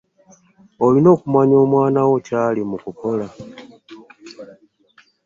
Olina okumanya omwana wo kyali mu kukola.